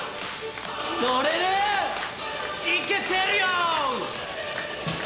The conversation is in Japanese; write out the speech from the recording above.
乗れる！イケてるよ！